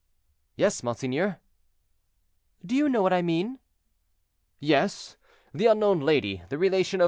"Yes, monseigneur." "Do you know what I mean?" "Yes! the unknown lady—the relation of M.